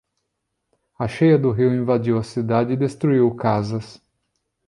A cheia do rio invadiu a cidade e destruiu casas